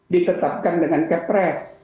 ditetapkan dengan kepres